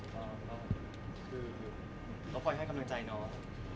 ก็คือแล้วพอได้ให้กำลังใจน้อง